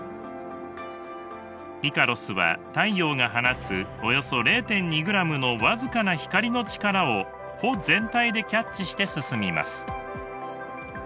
イカロスは太陽が放つおよそ０．２ｇの僅かな光の力を帆全体でキャッチして進みます。